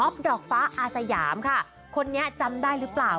ดอกฟ้าอาสยามค่ะคนนี้จำได้หรือเปล่า